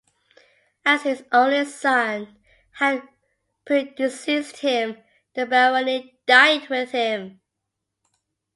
As his only son had predeceased him the barony died with him.